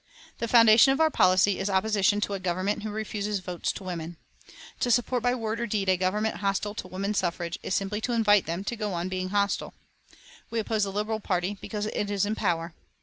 The foundation of our policy is opposition to a Government who refuse votes to women. To support by word or deed a Government hostile to woman suffrage is simply to invite them to go on being hostile. We oppose the Liberal party because it is in power.